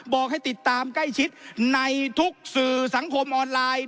บอกให้ติดตามใกล้ชิดในทุกสื่อสังคมออนไลน์